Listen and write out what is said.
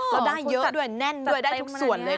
ก็ได้เยอะด้วยแน่นด้วยได้ทุกส่วนเลย